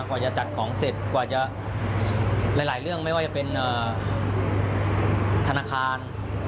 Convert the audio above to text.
กว่าจะจัดของเสร็จกว่าจะหลายเรื่องไม่ว่าจะเป็นธนาคาร